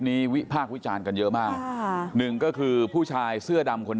หิวแรกที่จำทรงครึ่ง